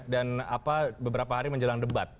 dan beberapa hari menjelang debat